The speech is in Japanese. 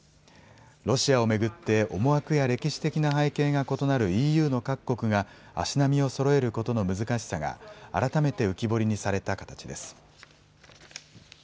ロシアを巡って思惑や歴史的な背景が異なるＥＵの各国が足並みをそろえることの難しさが改めて浮き彫りにされた形です。